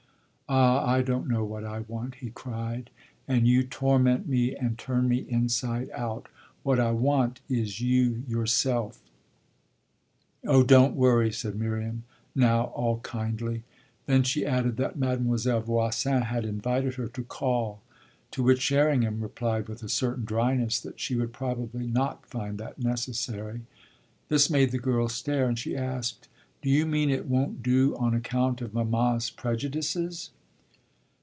"Ah I don't know what I want," he cried, "and you torment me and turn me inside out! What I want is you yourself." "Oh don't worry," said Miriam now all kindly. Then she added that Mademoiselle Voisin had invited her to "call"; to which Sherringham replied with a certain dryness that she would probably not find that necessary. This made the girl stare and she asked: "Do you mean it won't do on account of mamma's prejudices?"